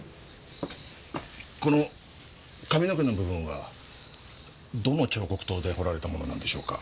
この髪の毛の部分はどの彫刻刀で彫られたものなんでしょうか？